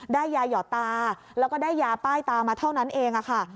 ยาหยอดตาแล้วก็ได้ยาป้ายตามาเท่านั้นเองค่ะ